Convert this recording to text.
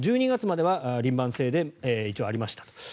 １２月までは輪番制で一応ありました。